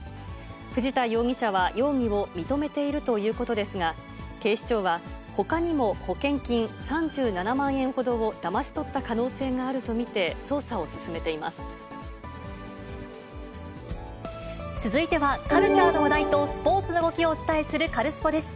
藤田容疑者は容疑を認めているということですが、警視庁は、ほかにも保険金３７万円ほどをだまし取った可能性があると見て、続いては、カルチャーの話題とスポーツの動きをお伝えするカルスポっ！です。